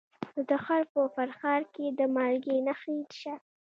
د تخار په فرخار کې د مالګې نښې شته.